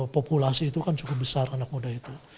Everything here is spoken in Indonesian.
populasi itu kan cukup besar anak muda itu